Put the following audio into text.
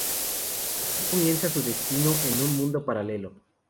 Así, comienza su destino en un mundo paralelo.